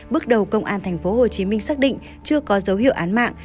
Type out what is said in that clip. bước đầu công an tp hcm xác định chưa có dấu hiệu án mạng